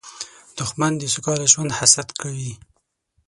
دښمن د سوکاله ژوند حسد کوي